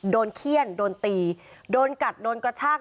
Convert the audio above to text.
เขี้ยนโดนตีโดนกัดโดนกระชาก